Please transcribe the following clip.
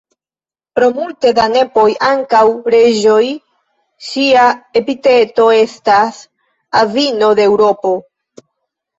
Pro multe da nepoj, ankaŭ reĝoj, ŝia epiteto estas: "Avino de Eŭropo".